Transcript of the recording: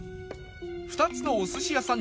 ２つのお寿司屋さん